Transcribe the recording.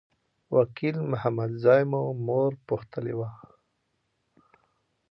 وکیل محمدزی مو مور پوښتلي وه.